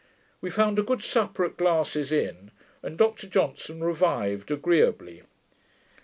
We found a good supper at Glass's inn, and Dr Johnson revived agreeably.